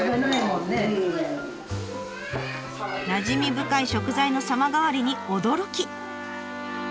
なじみ深い食材の様変わりに驚き。